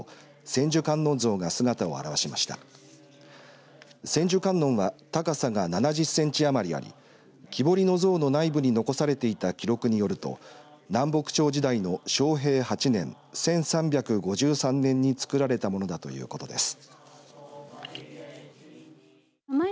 千手観音は高さが７０センチ余りあり木彫りの像の内部に残されていた記録によると南北朝時代の正平８年１３５３年に作られたものだということです。